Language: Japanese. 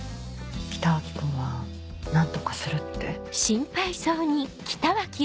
北脇君は「何とかする」って。